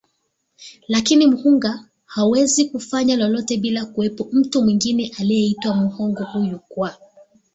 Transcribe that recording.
Lakini Muhunga hawezi kufanya lolote bila ya kuwepo mtu mwingine anayeitwa Mghongo huyu kwa